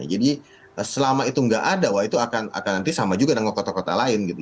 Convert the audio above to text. jadi selama itu tidak ada wah itu akan nanti sama juga dengan kota kota lain gitu